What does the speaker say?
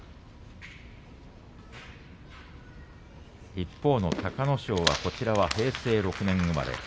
一方の隆の勝は平成６年生まれ。